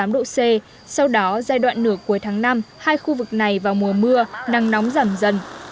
ba mươi năm ba mươi tám độ c sau đó giai đoạn nửa cuối tháng năm hai khu vực này vào mùa mưa nắng nóng giảm dần